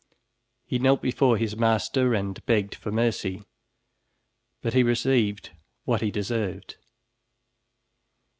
He knelt before his master and begged for mercy, but he received what he deserved.